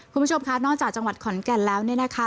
คุณผู้ชมค่ะนอกจากจังหวัดขอนแก่นแล้วเนี่ยนะคะ